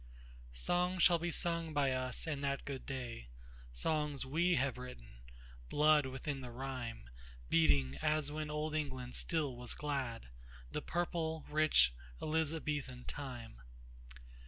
Songs shall be sung by us in that good day—Songs we have written—blood within the rhymeBeating, as when old England still was glad, The purple, rich, Elizabethan time.